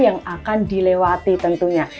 yang akan dilewati tentunya